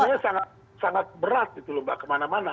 itu sangat berat gitu mbak kemana mana